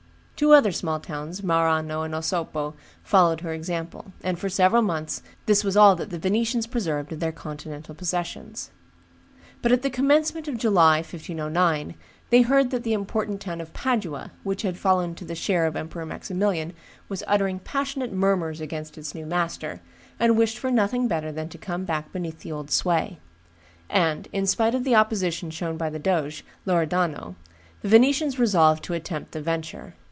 Two other small towns, Marano and Osopo, followed her example; and for several months this was all that the Venetians preserved of their continental possessions. But at the commencement of July, 1509, they heard that the important town of Padua, which had fallen to the share of Emperor Maximilian, was uttering passionate murmurs against its new master, and wished for nothing better than to come back beneath the old sway; and, in spite of the opposition shown by the doge, Loredano, the Venetians resolved to attempt the venture.